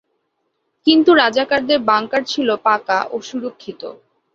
কিন্তু রাজাকারদের বাংকার ছিল পাকা ও সুরক্ষিত।